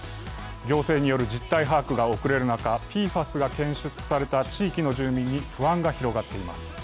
行政による実態把握が遅れる中、ＰＦＡＳが検出された地域の住民に不安が広がっています。